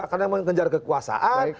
karena mengejar kekuasaan